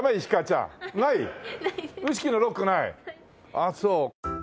ああそう。